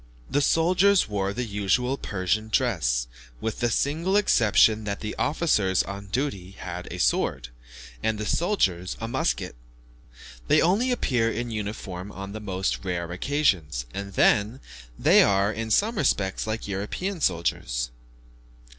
The soldiers wore the usual Persian dress, with the single exception that the officers on duty had a sword, and the soldiers a musket. They only appear in uniform on the most rare occasions, and then they are, in some respects, like European soldiers.